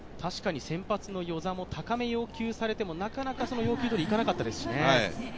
先発の與座も高めを要求されてもなかなか要求通りいかなかったですしね。